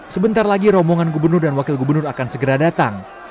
sebentar lagi rombongan gubernur dan wakil gubernur akan segera datang